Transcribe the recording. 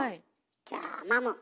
じゃあマモ。